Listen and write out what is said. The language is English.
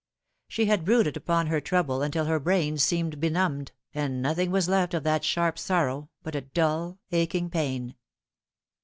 She had brooded upon her trouble until her brain seemed benumbed, and nothing was left of that sharp sorrow but a dull aching pain.